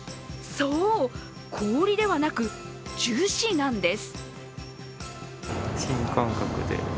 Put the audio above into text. そう、氷ではなく樹脂なんです。